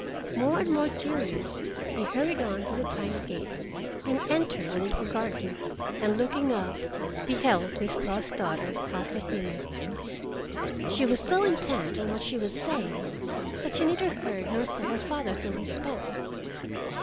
More and more curious, he hurried on to the tiny gate and entered the little garden, and looking up beheld his lost daughter Hase Hime. She was so intent on what she was saying that she neither heard nor saw her father till he spoke.